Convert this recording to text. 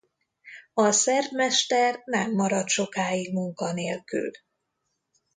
A szerb mester nem maradt sokáig munka nélkül.